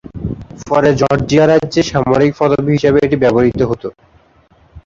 পরে জর্জিয়া রাজ্যে সামরিক পদবি হিসেবে এটি ব্যবহৃত হত।